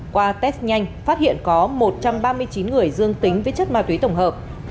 qua test nhanh phát hiện có một trăm ba mươi chín người dương tính với chất ma túy tổng hợp